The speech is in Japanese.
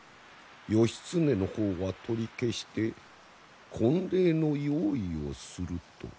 義経の方は取り消して婚礼の用意をすると。